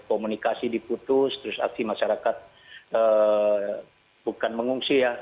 komunikasi diputus terus aksi masyarakat bukan mengungsi ya